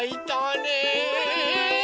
ねえ。